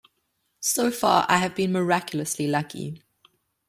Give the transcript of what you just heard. So far I had been miraculously lucky.